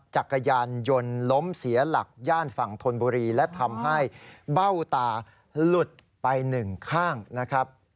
จักรยานยนต์ล้มเสียหลักย่านฝั่งธนบุรีและทำให้เบ้าตาหลุดไปหนึ่งข้างนะครับ